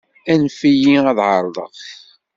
Anef-iyi ad εerḍeɣ.